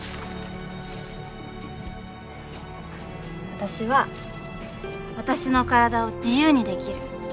私は私の体を自由にできる。